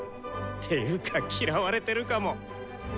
ていうか嫌われてるかも！